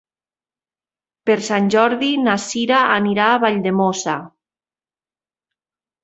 Per Sant Jordi na Sira anirà a Valldemossa.